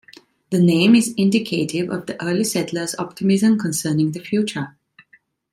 The name is indicative of the early settlers' optimism concerning the future.